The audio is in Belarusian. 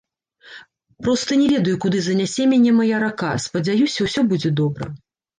Проста не ведаю куды занясе мяне мая рака, спадзяюся, усё будзе добра.